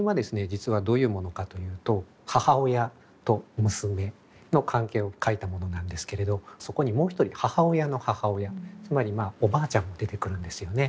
実はどういうものかというと母親と娘の関係を書いたものなんですけれどそこにもう一人母親の母親つまりおばあちゃんも出てくるんですよね。